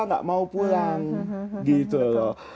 nggak mau pulang gitu loh